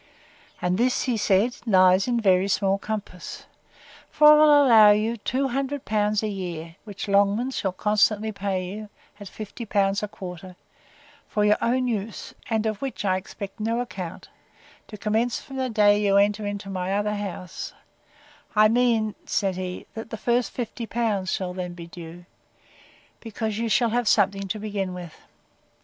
And this, said he, lies in very small compass; for I will allow you two hundred pounds a year, which Longman shall constantly pay you, at fifty pounds a quarter, for your own use, and of which I expect no account; to commence from the day you enter into my other house: I mean, said he, that the first fifty pounds shall then be due; because you shall have something to begin with.